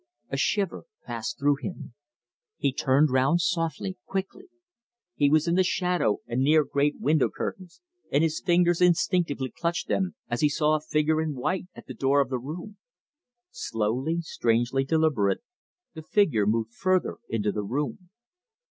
A shiver passed through him. He turned round softly, quickly. He was in the shadow and near great window curtains, and his fingers instinctively clutched them as he saw a figure in white at the door of the room. Slowly, strangely deliberate, the figure moved further into the room.